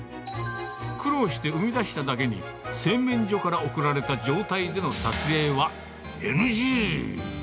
苦労して生み出しただけに、製麺所から送られた状態での撮影はＮＧ。